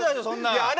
そんなん。